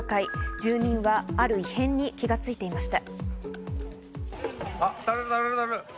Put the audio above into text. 住人はある異変に気づいていました。